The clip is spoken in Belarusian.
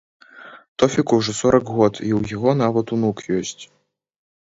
Тофіку ўжо сорак год і ў яго нават унук ёсць.